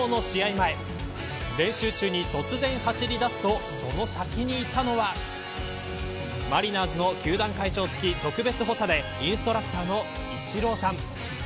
前練習中に突然走り出すとその先にいたのはマリナーズの球団会長付特別補佐でインストラクターのイチローさん。